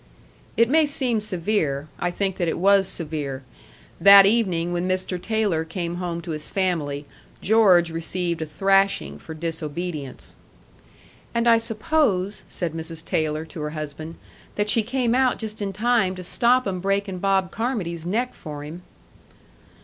It may seem severe I think that it was severe. That evening when Mr. Taylor came home to his family, George received a thrashing for disobedience. "And I suppose," said Mrs. Taylor to her husband, "that she came out just in time to stop 'em breaking Bob Carmody's neck for him."